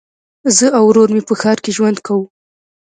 زه او ورور مي په ښار کي ژوند کوو.